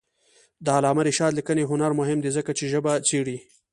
د علامه رشاد لیکنی هنر مهم دی ځکه چې ژبه څېړي.